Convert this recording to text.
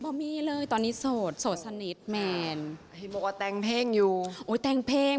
บ่อมี่เลยตอนนี้โสดโสดสนิทแมนพี่โมก็แต่งเพลงอยู่โอ้ยแต่งเพลง